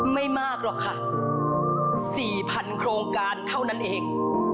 ไม่มากหรอกค่ะ๔๐๐๐โครงการเท่านั้นเอง